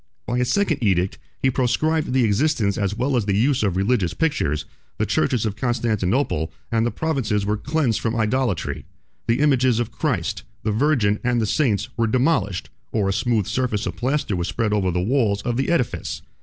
By a second edict, he proscribed the existence as well as the use of religious pictures; the churches of Constantinople and the provinces were cleansed from idolatry; the images of Christ, the Virgin, and the saints, were demolished, or a smooth surface of plaster was spread over the walls of the edifice.